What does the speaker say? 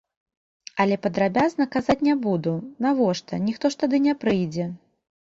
Але падрабязна казаць не буду, навошта, ніхто ж тады не прыйдзе.